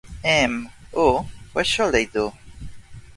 And oh, what shall I do?